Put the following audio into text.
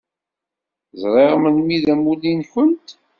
Zṛiɣ melmi i d amulli-nkent.